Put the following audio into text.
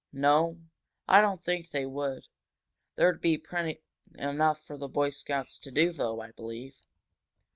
"No, I don't think they would, Dick. There'd be plenty for the Boy Scouts to do though, I believe."